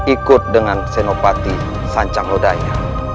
ikut dengan senopati sancang odanya